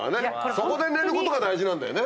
そこで寝ることが大事なんだよね。